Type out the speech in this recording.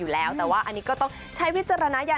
แต่ว่าอันนี้ก็ต้องใช้วิจารณายา